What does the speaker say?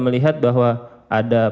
melihat bahwa ada